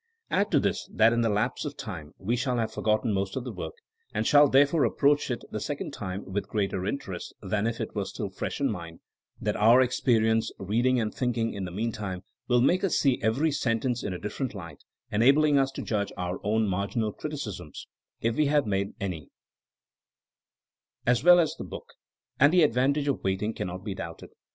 Add to this that in the lapse of time we shall have forgotten most of the work, and shall therefore approach it the second time with greater interest than if it were still fresh in mind ; that our experience, reading and think ing in the meantime will make us see every sen tence in a different light, enabling us to judge our own marginal criticisms (if we have made any) as well as the book, and the advantage of waiting cannot be doubted.